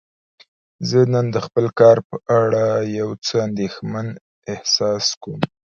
زه نن د خپل کار په اړه یو څه اندیښمن احساس کوم.